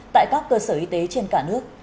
tại các cơ sở y tế trên cả nước